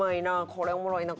「これおもろいな」